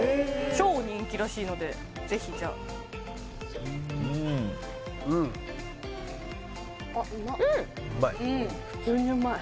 超人気らしいのでぜひじゃあうんうんうん！うまい普通にうまい